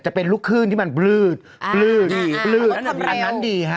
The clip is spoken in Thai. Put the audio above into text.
จะเป็นลูกคืนที่มันบลืดอันนั้นดีครับ